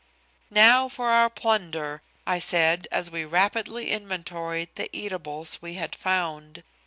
"Now for our plunder," I said, as we rapidly inventoried the eatables we had found.